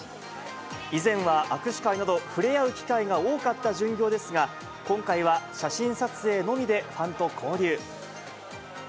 以前は握手会など触れ合う機会が多かった巡業ですが、今回は写真撮影のみでファンと交流。